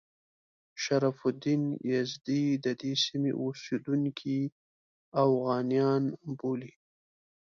شرف الدین یزدي د دې سیمې اوسیدونکي اوغانیان بولي.